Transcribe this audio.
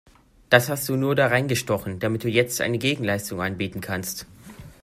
Das hast du nur da reingestochen, damit du jetzt eine Gegenleistung anbieten kannst!